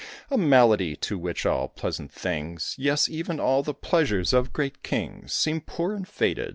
"A malady, to which all pleasant things Yes, even all the pleasures of great kings Seem poor and faded.